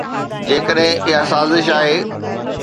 جيڪڏهن اها سازش آهي.